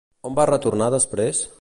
On va retornar després?